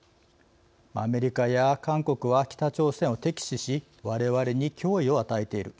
「アメリカや韓国は北朝鮮を敵視しわれわれに脅威を与えている。